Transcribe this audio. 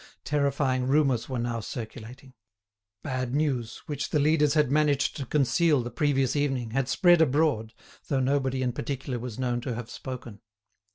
Terrifying rumours were now circulating. Bad news, which the leaders had managed to conceal the previous evening, had spread abroad, though nobody in particular was known to have spoken.